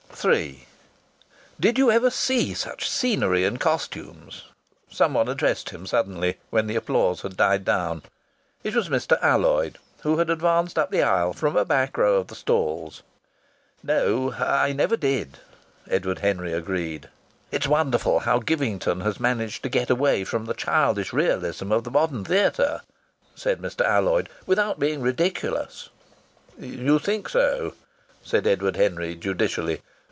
III "Did you ever see such scenery and costumes?" someone addressed him suddenly, when the applause had died down. It was Mr. Alloyd, who had advanced up the aisle from a back row of the stalls. "No, I never did!" Edward Henry agreed. "It's wonderful how Givington has managed to get away from the childish realism of the modern theatre," said Mr. Alloyd, "without being ridiculous." "You think so!" said Edward Henry, judicially.